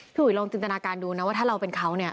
อุ๋ยลองจินตนาการดูนะว่าถ้าเราเป็นเขาเนี่ย